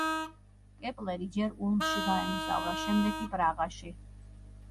კეპლერი ჯერ ულმში გაემგზავრა, შემდეგ კი პრაღაში.